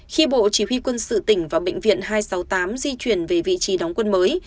khi bộ chỉ huy quân sự tỉnh và bệnh viện hai trăm sáu mươi tám di chuyển về vị trí đóng quân mới